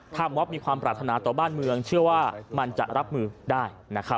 ถ้าม็อบมีความปรารถนาต่อบ้านเมืองเชื่อว่ามันจะรับมือได้